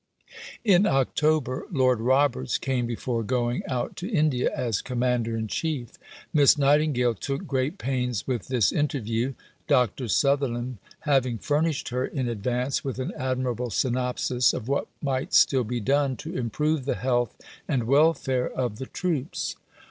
In October, Lord Roberts came before going out to India as Commander in Chief. Miss Nightingale took great pains with this interview, Dr. Sutherland having furnished her in advance with an admirable synopsis of what might still be done to improve the health and welfare of the troops.